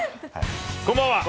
こんばんは。